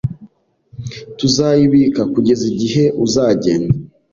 Tuzayibika kugeza igihe uzagenda.